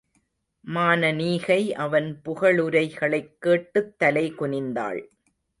மானனீகை அவன் புகழுரைகளைக் கேட்டுத் தலைகுனிந்தாள்.